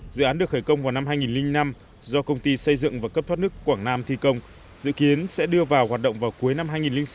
dự án được khởi công vào năm hai nghìn năm do công ty xây dựng và cấp thoát nước quảng nam thi công dự kiến sẽ đưa vào hoạt động vào cuối năm hai nghìn sáu